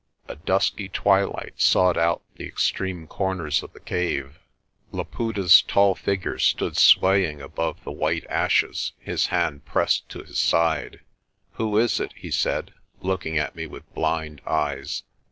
A dusky twilight sought out the extreme corners of the cave. Laputa's tall figure stood swaying above the white ashes, his hand pressed to his side. "Who is it?" he said, looking at me with blind eyes.